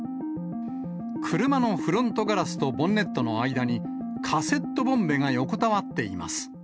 車のフロントガラスとボンネットの間にカセットボンベが横たわっています。